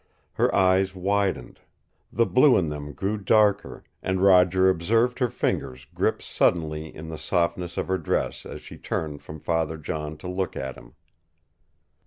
Her eyes widened. The blue in them grew darker, and Roger observed her fingers grip suddenly in the softness of her dress as she turned from Father John to look at him.